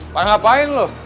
pernah ngapain lo